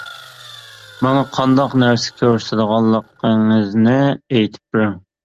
ماڭا قانداق نەرسە كۆرسىتىدىغانلىقىڭىزنى ئېيتىپ بېرىڭ.